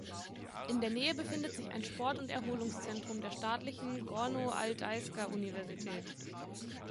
In der Nähe befindet sich ein Sport- und Erholungszentrum der Staatlichen Gorno-Altaisker Universität.